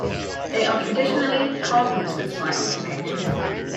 They are traditionally carpenters by occupation.